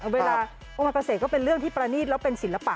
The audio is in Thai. เวลาองค์การเกษตรก็เป็นเรื่องที่ประณีตแล้วเป็นศิลปะ